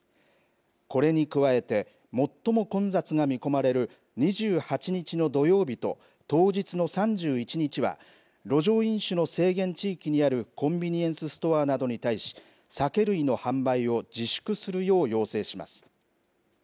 これに加えて最も混雑が見込まれる２８日の土曜日と当日の３１日は路上飲酒の制限地域にあるコンビニエンスストアなどに対し酒類の販売を自粛するよう要請します。